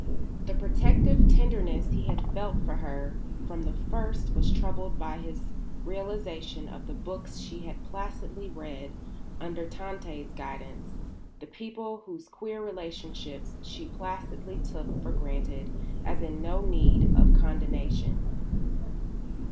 The protective tenderness he had felt for her from the first was troubled by his realisation of the books she had placidly read under Tante's guidance the people whose queer relationships she placidly took for granted as in no need of condonation.